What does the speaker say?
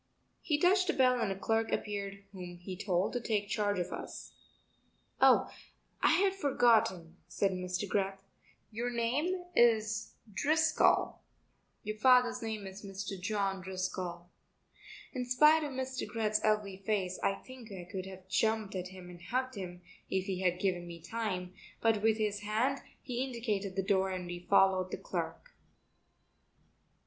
He touched a bell and a clerk appeared whom he told to take charge of us. "Oh, I had forgotten," said Mr. Greth, "your name is Driscoll; your father's name is Mr. John Driscoll." In spite of Mr. Greth's ugly face I think I could have jumped at him and hugged him if he had given me time, but with his hand he indicated the door and we followed the clerk.